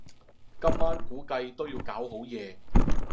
今晚估計都要搞好夜